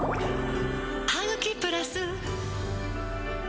「ハグキプラス」